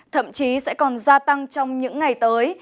thậm chí sẽ còn gia tăng trong những ngày tới